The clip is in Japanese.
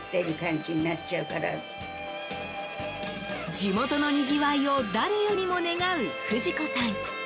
地元のにぎわいを誰よりも願う不二子さん。